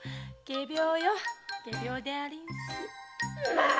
まあ！